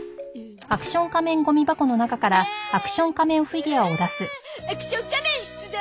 アハアクション仮面出動！